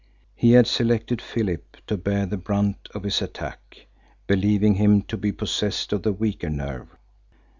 He had selected Philip to bear the brunt of his attack, believing him to be possessed of the weaker nerve.